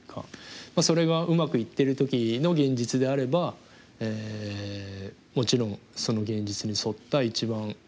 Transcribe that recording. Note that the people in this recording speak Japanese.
まあそれがうまくいってる時の現実であればもちろんその現実に沿った一番いいことをやっていく。